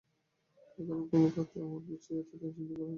এখানে কোন কোন খাতে আমরা পিছিয়ে আছি, তা চিহ্নিত করা আছে।